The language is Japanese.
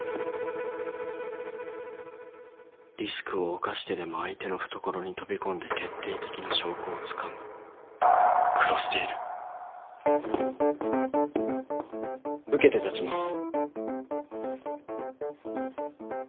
リスクを冒してでも相手の懐に飛び込んで決定的な証拠をつかむクロステイル受けて立ちます。